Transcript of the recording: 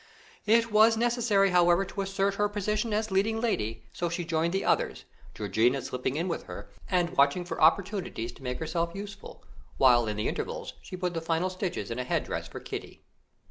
It was necessary, however, to assert her position as leading lady, so she joined the others, Georgiana slipping in with her, and watching for opportunities to make herself useful, while in the intervals she put the final stitches in a head dress for Kitty.